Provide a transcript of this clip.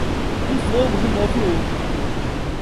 Um fogo remove o outro.